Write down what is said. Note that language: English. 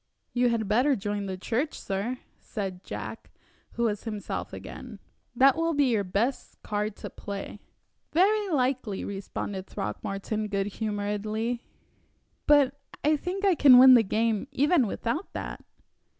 "You had better join the church, sir," said Jack, who was himself again. "That will be your best card to play." "Very likely," responded Throckmorton, good humoredly, "but I think I can win the game even without that."